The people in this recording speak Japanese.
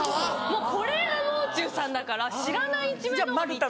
もうこれがもう中さんだから知らない一面の方が見たい。